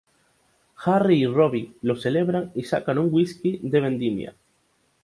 Harry y Robbie lo celebran, y sacan un whisky de vendimia.